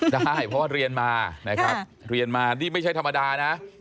ได้เพราะว่าเรียนมานะครับเรียนมานี่ไม่ใช่ธรรมดานะ